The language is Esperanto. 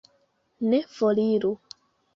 Ne foriru.